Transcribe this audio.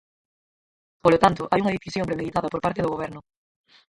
Polo tanto, hai unha decisión premeditada por parte do Goberno.